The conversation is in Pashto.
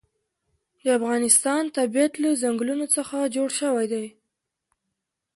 د افغانستان طبیعت له ځنګلونه څخه جوړ شوی دی.